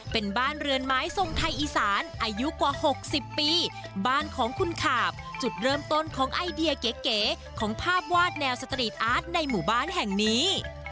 เป็นบ้านเรือนไม้ทรงไทยอีสานอายุกว่า๖๐ปีบ้านของคุณขาบจุดเริ่มต้นของไอเดียเก๋ของภาพวาดแนวสตรีทอาร์ตในหมู่บ้านแห่งนี้